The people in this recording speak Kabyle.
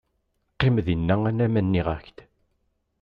Qqim dinna alamma nniɣ-ak-d.